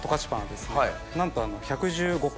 なんと。